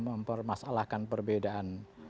kita pernah mempermasalahkan perbedaan